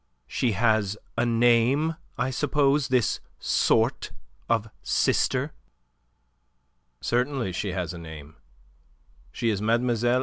She has a name, I suppose, this sort of sister?" "Certainly she has a name. She is Mlle.